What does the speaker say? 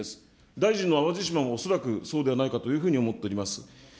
大臣の淡路島も恐らくそうではないかというふうに思っております。